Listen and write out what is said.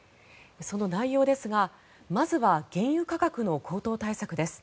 その内容ですが、まずは原油価格の高騰対策です。